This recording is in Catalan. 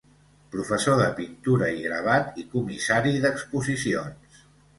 Professor de pintura i gravat i comissari d'exposicions.